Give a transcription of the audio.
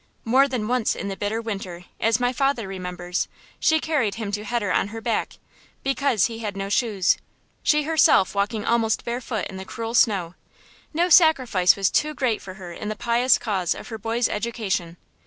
More than once in the bitter winter, as my father remembers, she carried him to heder on her back, because he had no shoes; she herself walking almost barefoot in the cruel snow. No sacrifice was too great for her in the pious cause of her boy's education.